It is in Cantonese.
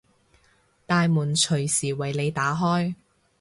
大門隨時為你打開